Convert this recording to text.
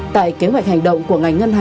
tại kế hoạch hành động của ngành ngân hóa